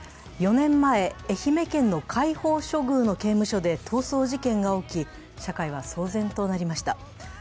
４年前、愛媛県の開放処遇の刑務所で逃走事件が起き、社会は騒然となりました。